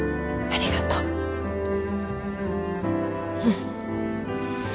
うん。